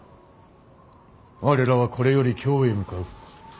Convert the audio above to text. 我らはこれより京へ向かう。